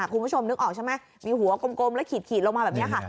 คุณผู้ชมนึกออกใช่ไหมมีหัวกลมแล้วขีดลงมาแบบนี้ค่ะ